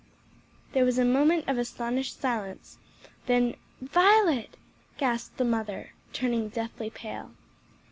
There was a moment of astonished silence, then "Violet!" gasped the mother, turning deathly pale.